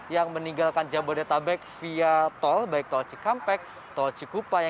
yang meninggalkan jabodetabek via tol baik tol cikampek tol cikupa